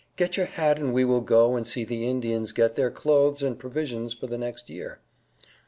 "Get your hat and we will go and see the Indians get their clothes and provisions for the next year."